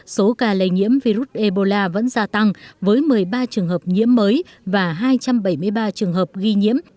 số ca lây nhiễm virus ebola vẫn gia tăng với một mươi ba trường hợp nhiễm mới và hai trăm bảy mươi ba trường hợp ghi nhiễm